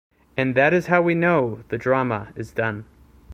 And that is how we know the Drama is done.